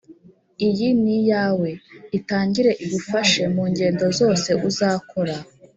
iyi niyawe itangire igufashe mungendo zose uzakora"